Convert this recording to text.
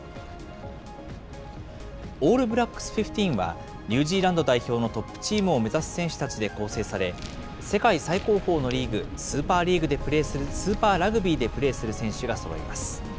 ＡｌｌＢｌａｃｋｓＸＶはニュージーランド代表のトップチームを目指す選手たちが構成され、世界最高峰のリーグ、スーパーラグビーでプレーする選手がそろいます。